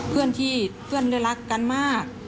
เพื่อนที่เพื่อนได้รักกันมาก